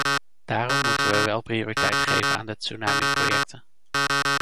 Daarom moeten we wel prioriteit geven aan de tsunamiprojecten.